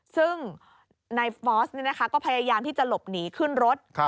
ซึ่งนายฟอสก็พยายามที่จะหลบหนีขึ้นรถ